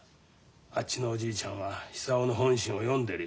あっちのおじいちゃんは久男の本心を読んでるよ。